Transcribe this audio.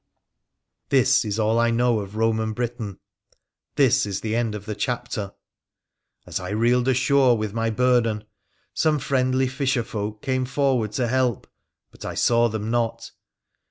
This is all I know of Eoman Britain ; this is the end of the chapter. As I reeled ashore with my burden, some friendly fisherfolk came forward to help, but I saw them not.